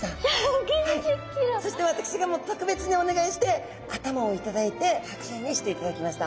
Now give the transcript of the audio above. そして私がもう特別にお願いして頭を頂いて剥製にしていただきました。